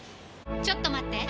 ちょっと待って！